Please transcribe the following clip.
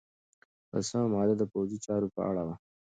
لسمه ماده د پوځي چارو په اړه وه.